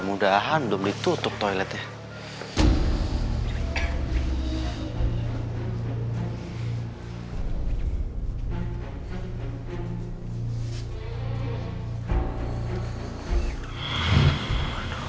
mudah mudahan belum ditutup toiletnya